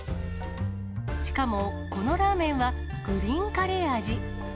しかも、このラーメンはグリーンカレー味。